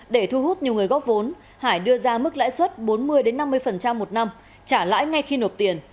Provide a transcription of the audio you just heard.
để thu hút nhiều người góp vốn hải đưa ra mức lãi suất bốn mươi năm mươi một năm trả lãi ngay khi nộp tiền